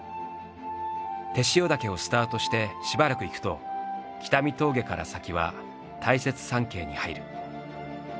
天塩岳をスタートしてしばらく行くと北見峠から先は大雪山系に入る。